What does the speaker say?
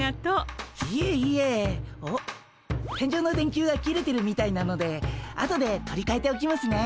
天井の電球が切れてるみたいなので後で取りかえておきますね。